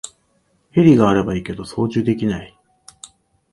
ヘリがあればいいけど操縦できない